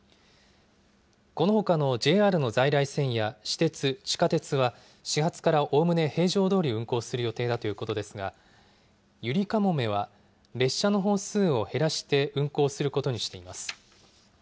このほかのＪＲの在来線や私鉄、地下鉄は始発から、おおむね平常どおり運行する予定だということですがゆりかもめは列車の本数を減らして運行することにしています。